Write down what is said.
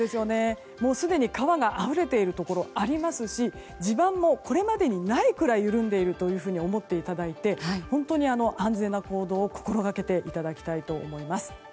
すでに川があふれているところがありますし地盤もこれまでにないくらい緩んでいると思っていただいて本当に安全な行動を心がけていただきたいです。